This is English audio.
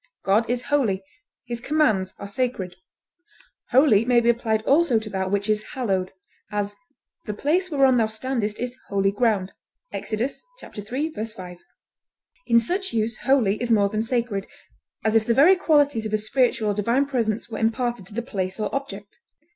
God is holy; his commands are sacred. Holy may be applied also to that which is hallowed; as, "the place whereon thou standest is holy ground," Ex. iii, 5. In such use holy is more than sacred, as if the very qualities of a spiritual or divine presence were imparted to the place or object.